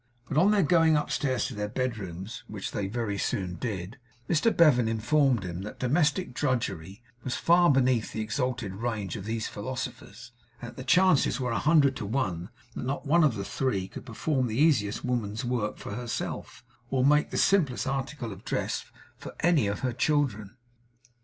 But on their going upstairs to their bedrooms which they very soon did Mr Bevan informed him that domestic drudgery was far beneath the exalted range of these Philosophers, and that the chances were a hundred to one that not one of the three could perform the easiest woman's work for herself, or make the simplest article of dress for any of her children.